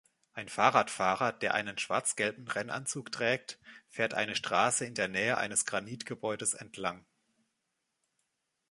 Ein Fahrradfahrer, der einen schwarz-gelben Rennanzug trägt, fährt eine Straße in der Nähe eines Granitgebäudes entlang.